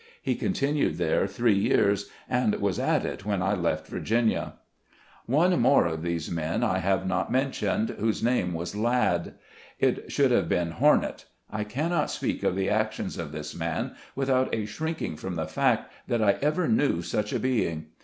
He continued there three years, and was at it when I left Virginia. One more of these men I have not mentioned, whose name was Ladd. It should have been "Hornet" I cannot speak of the actions of this man, without a shrinking from the fact that I ever knew such a being.